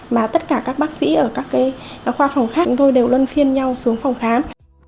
mà tất cả các bác sĩ ở các khoa phòng khác chúng tôi đều lân phiên nhau xuống phòng khám